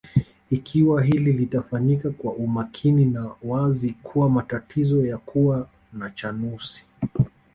Ikiwa hili litafanyika kwa umakini ni wazi kuwa matatizo ya kuwa na chunusi